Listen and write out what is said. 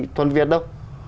thuần việt đâu